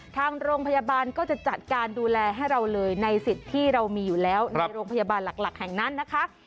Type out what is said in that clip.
ทางโรงพยาบาลก็จะจัดการดูแลให้เราเลยในสิทธิ์ที่เรามีอยู่แล้วในโรงพยาบาลหลักแห่งนั้นนะคะ